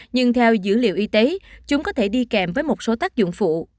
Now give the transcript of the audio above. nhưng theo dữ liệu y tế chúng có thể đi kèm với một số tác dụng phụ